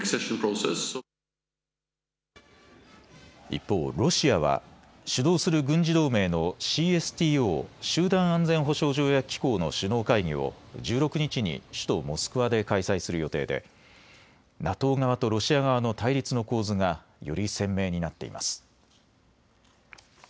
一方、ロシアは主導する軍事同盟のＣＳＴＯ・集団安全保障条約機構の首脳会議を１６日に首都モスクワで開催する予定でＮＡＴＯ側とロシア側の対立の構図がより鮮明になっています。